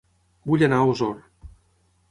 Vull anar a Osor